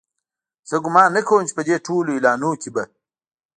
زه ګومان نه کوم چې په دې ټولو اعلانونو کې به.